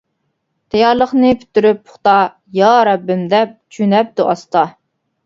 تەييارلىقنى پۈتتۈرۈپ پۇختا، «يا رەببىم» دەپ جۆنەپتۇ ئاستا.